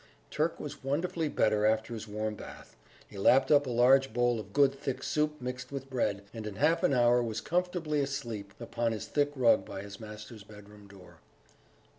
Turk was wonderfully better after his warm bath. He lapped up a large bowl of good thick soup mixed with bread, and in half an hour was comfortably asleep upon his thick rug by his master's bedroom door....